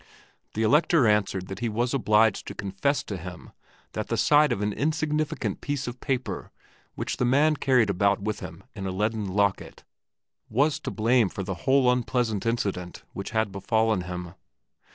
The Elector answered that he was obliged to confess to him that the sight of an insignificant piece of paper, which the man carried about with him in a leaden locket, was to blame for the whole unpleasant incident which had befallen him.